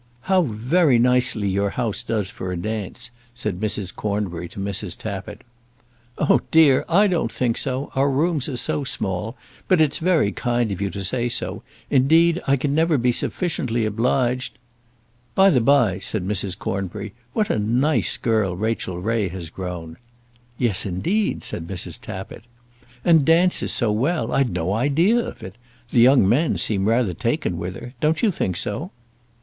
"How very nicely your house does for a dance," said Mrs. Cornbury to Mrs. Tappitt. "Oh dear, I don't think so. Our rooms are so small. But it's very kind of you to say so. Indeed, I never can be sufficiently obliged " "By the by," said Mrs. Cornbury, "what a nice girl Rachel Ray has grown." "Yes, indeed," said Mrs. Tappitt. "And dances so well! I'd no idea of it. The young men seem rather taken with her. Don't you think so?"